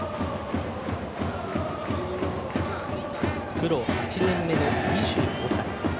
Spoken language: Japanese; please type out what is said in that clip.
プロ８年目の２５歳。